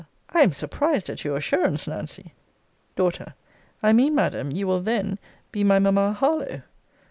I am surprised at your assurance, Nancy! D. I mean, Madam, you will then be my mamma Harlowe.